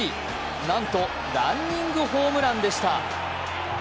なんとランニングホームランでした。